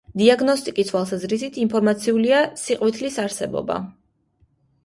დიაგნოსტიკის თვალსაზრისით ინფორმაციულია სიყვითლის არსებობა.